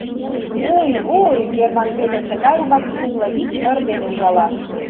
— Уй-уй, Герман Вӧдыр тыгайымак кумлывичыр дене ужала.